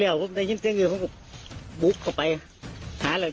แล้วพวกน้องใจได้จัดการมาแล้ว